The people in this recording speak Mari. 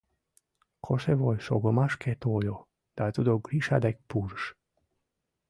Кошевой шогымашке тольо да тудо Гриша дек пурыш.